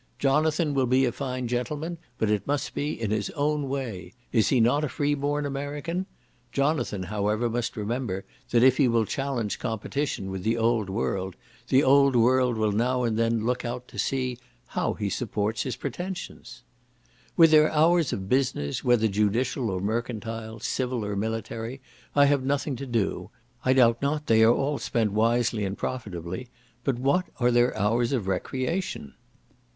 Jonathan will be a fine gentleman, but it must be in his own way. Is he not a free born American? Jonathan, however, must remember, that if he will challenge competition with the old world, the old world will now and then look out to see how he supports his pretensions. With their hours of business, whether judicial or mercantile, civil or military, I have nothing to do; I doubt not they are all spent wisely and profitably; but what are their hours of recreation?